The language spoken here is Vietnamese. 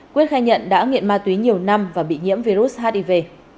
quyết khai nhận đã nghiện ma túy nhiều năm và bị nhiễm virus hiv